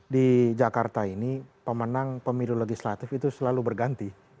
di jakarta ini pemenang pemilu legislatif itu selalu berganti